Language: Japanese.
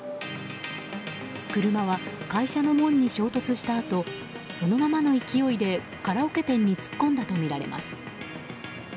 車は会社の門に衝突したあとそのままの勢いでカラオケ店に突っ込んだとみられます。